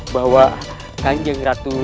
bahwa ganjeng ratu